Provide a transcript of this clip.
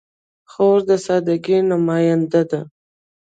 خور د سادګۍ نماینده ده.